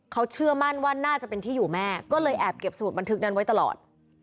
เขาเชื่อมั่นว่าน่าจะเป็นที่อยู่แม่ก็เลยแอบเก็บสมุดบันทึกนั้นไว้ตลอด